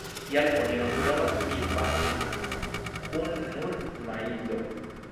Tial oni nun trovas "milpa"-jn kun nur maizo.